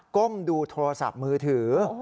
ก้มดูโทรศัพท์มือถือ